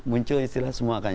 muncul istilah semua kan